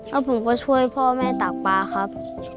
แล้วผมก็ช่วยพ่อแม่ตากปลาครับ